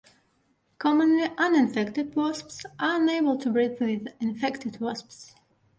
Commonly, uninfected wasps are unable to breed with infected wasps.